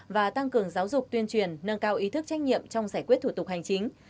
và tăng cường giáo dục tuyên truyền nâng cao ý thức trách nhiệm trong giải quyết thủ tục hành chính